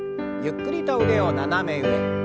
ゆっくりと腕を斜め上。